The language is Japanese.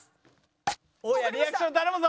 大家リアクション頼むぞ。